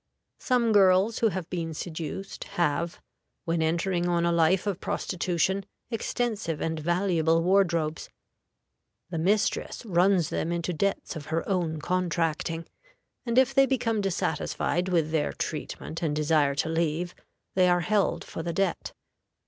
Some girls who have been seduced have, when entering on a life of prostitution, extensive and valuable wardrobes. The mistress runs them into debts of her own contracting, and if they become dissatisfied with their treatment and desire to leave, they are held for the debt.